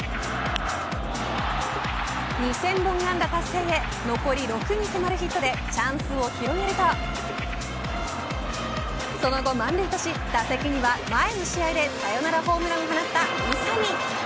２０００本安打達成へ残り６に迫るヒットでチャンスを広げるとその後満塁とし打席には前の試合でサヨナラホームランを放った宇佐見。